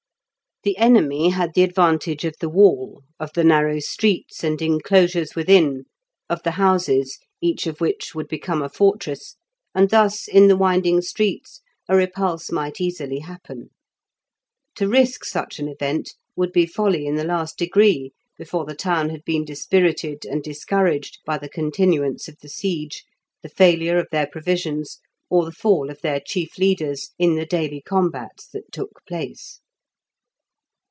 The enemy had the advantage of the wall, of the narrow streets and enclosures within, of the houses, each of which would become a fortress, and thus in the winding streets a repulse might easily happen. To risk such an event would be folly in the last degree, before the town had been dispirited and discouraged by the continuance of the siege, the failure of their provisions, or the fall of their chief leaders in the daily combats that took place.